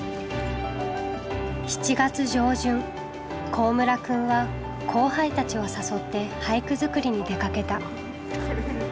幸村くんは後輩たちを誘って俳句作りに出かけた。